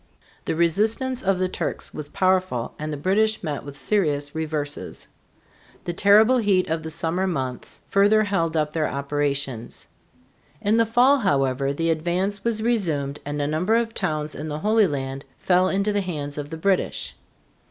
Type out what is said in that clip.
The resistance of the Turks was powerful and the British met with serious reverses. The terrible heat of the summer months further held up their operations. In the fall, however, the advance was resumed and a number of towns in the Holy Land fell into the hands of the British.